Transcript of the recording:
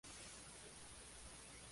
Sin embargo rechazaron esta idea.